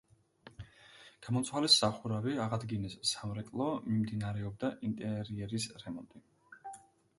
გამოცვალეს სახურავი, აღადგინეს სამრეკლო, მიმდინარეობდა ინტერიერის რემონტი.